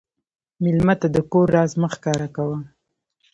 مېلمه ته د کور راز مه ښکاره کوه.